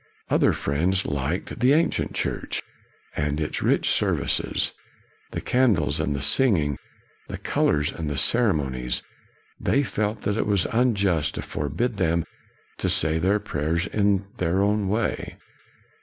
Other friends liked the ancient Church and its rich services, the candles and the singing, the colors and the ceremonies. They felt that it was unjust to forbid them to say their prayers in their own way.